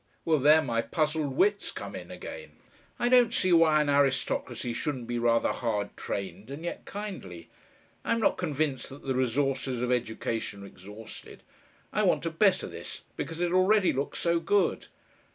"Well, there my puzzled wits come in again. I don't see why an aristocracy shouldn't be rather hard trained, and yet kindly. I'm not convinced that the resources of education are exhausted. I want to better this, because it already looks so good."